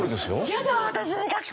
やだ。